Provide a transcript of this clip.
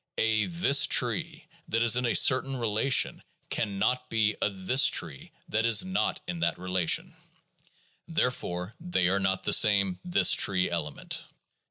A "this tree" that is in a certain rela tion can not be a "this tree" that is not in that relation. Therefore they are not the same "this tree" element.